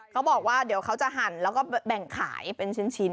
เขาบอกว่าเดี๋ยวเขาจะหั่นแล้วก็แบ่งขายเป็นชิ้น